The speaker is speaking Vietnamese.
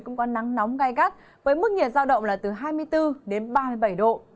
cũng có nắng nóng gai gắt với mức nhiệt giao động là từ hai mươi bốn đến ba mươi bảy độ